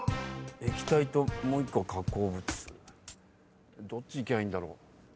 液体ともう１個加工物どっちいきゃいいんだろ？